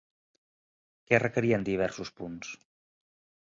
Què requerien diversos punts?